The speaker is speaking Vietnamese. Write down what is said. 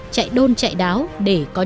chạy đôn chạy đáo